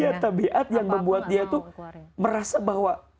ya tabiat yang membuat dia itu merasa bahwa